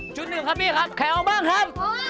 หนึ่งครับพี่ครับแควบ้างครับ